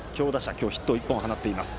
今日、ヒットを１本放っています。